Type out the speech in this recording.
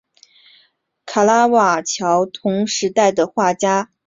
卡拉瓦乔同时代的画家对此持截然不同的两种观点。